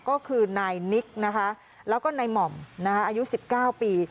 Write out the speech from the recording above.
ก็คือนายนิกนะคะแล้วก็นายหม่อมอายุ๑๙ปี